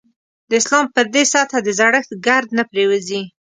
د اسلام پر دې سطح د زړښت ګرد نه پرېوځي.